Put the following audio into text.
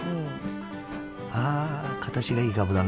ああ形がいいかぶだな。